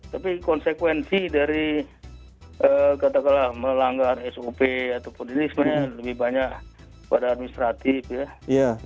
tapi konsekuensi dari katakanlah melanggar sop ataupun ini sebenarnya lebih banyak pada administratif ya